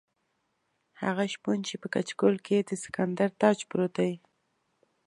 هغه شپون چې په کچکول کې یې د سکندر تاج پروت دی.